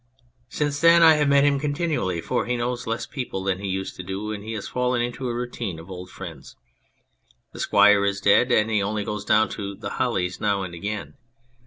Since then I have met him continually, for he knows less people than he used to do, and he has fallen into a routine of old friends. The Squire is dead, and he only goes down to " The Hollies " now and again.